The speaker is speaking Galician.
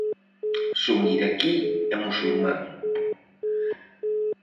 Son iraquí e musulmán.